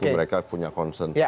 mereka punya concern